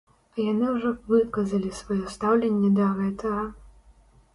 А яны ўжо выказалі сваё стаўленне да гэтага.